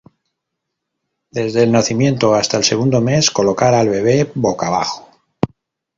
Desde el nacimiento hasta el segundo mes: colocar al bebe "boca abajo".